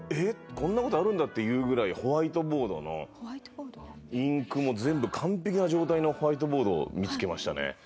こんな事あるんだっていうぐらいホワイトボードのインクも全部完璧な状態のホワイトボードを見付けましたね。